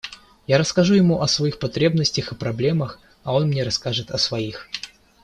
Я расскажу ему о своих потребностях и проблемах, а он мне расскажет о своих.